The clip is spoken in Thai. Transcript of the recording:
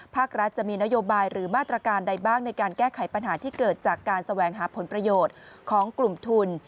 ภาครัฐจะมีนโยบายหรือมาตรการใดบ้างในการแก้ไขปัญหาที่เกิดจากการแสวงหาผลประโยชน์ของกลุ่มทุน